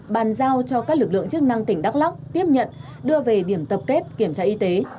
bàn giao cho các lực lượng chức năng tỉnh đắk lóc tiếp nhận đưa về điểm tập kết kiểm tra y tế